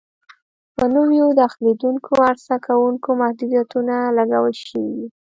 په نویو داخلېدونکو عرضه کوونکو محدودیتونه لګول شوي وي.